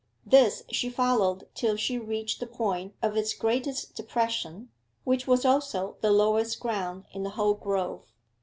This she followed till she reached the point of its greatest depression, which was also the lowest ground in the whole grove.